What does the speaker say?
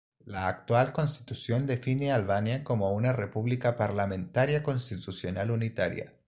La actual constitución define Albania como una república parlamentaria constitucional unitaria.